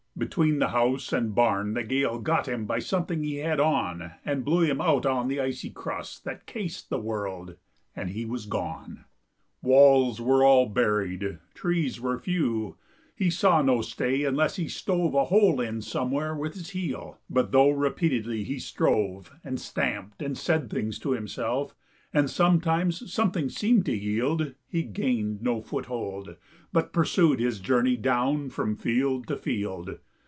Between the house and barn the gale Got him by something he had on And blew him out on the icy crust That cased the world, and he was gone! Walls were all buried, trees were few: He saw no stay unless he stove A hole in somewhere with his heel. But though repeatedly he strove And stamped and said things to himself, And sometimes something seemed to yield, He gained no foothold, but pursued His journey down from field to field.